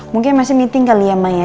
mungkin masih meeting kali ya mbak ya